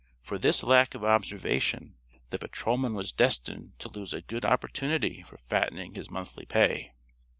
For this lack of observation the patrolman was destined to lose a good opportunity for fattening his monthly pay.